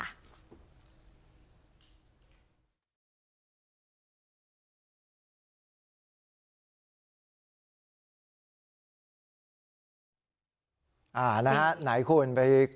อะนะฮะไหนคุณ